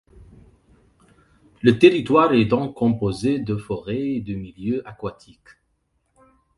Le territoire est donc composé de forêts et de milieux aquatiques.